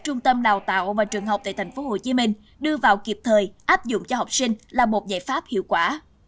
trung tâm đào tạo và trường học tại tp hcm đưa vào kịp thời áp dụng cho học sinh là một giải pháp hiệu quả